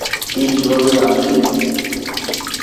তুই কিভাবে জানলি?